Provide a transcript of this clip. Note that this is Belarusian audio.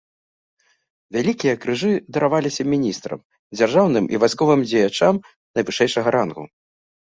Вялікія крыжы дараваліся міністрам, дзяржаўным і вайсковым дзеячам найвышэйшага рангу.